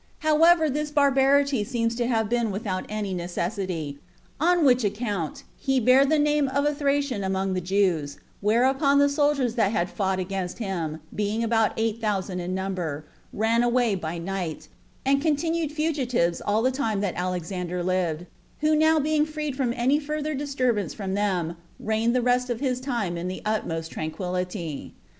However, this barbarity seems to have been without any necessity, on which account he bare the name of a Thracian among the Jews 40 whereupon the soldiers that had fought against him, being about eight thousand in number, ran away by night, and continued fugitives all the time that Alexander lived; who being now freed from any further disturbance from them, reigned the rest of his time in the utmost tranquillity.